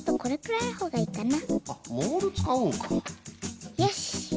これくらいでいいかな。